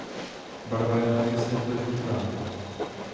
Barva je velmi světle žlutá.